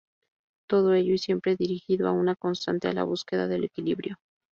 Todo ello y siempre dirigido a una constante: a la búsqueda del equilibrio.